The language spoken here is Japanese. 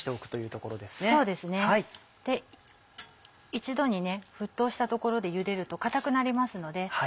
一度に沸騰したところでゆでると硬くなりますので。